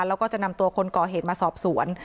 แล้วก็จะนำตัวคนก่อเหตุมาสอบสวน